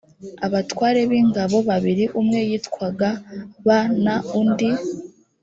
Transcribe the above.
abatware b ingabo babiri umwe yitwaga b na undi